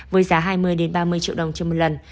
với giá hai mươi ba mươi triệu đồng trên một lần